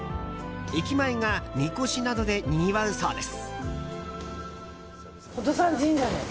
駅前が、みこしなどでにぎわうそうです。